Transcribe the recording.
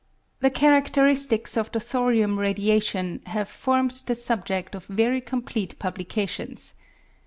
The charadleristics of the thorium radiation have formed the subjed of very complete publications.